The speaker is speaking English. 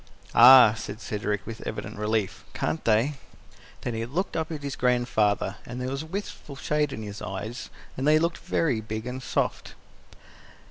"Ah!" said Cedric, with evident relief. "Can't they?" Then he looked up at his grandfather, and there was a wistful shade in his eyes, and they looked very big and soft.